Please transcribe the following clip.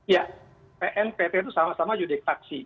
ya pn dan pt itu sama sama judik taksi